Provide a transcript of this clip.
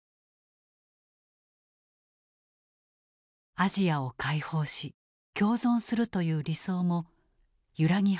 アジアを解放し共存するという理想も揺らぎ始めていた。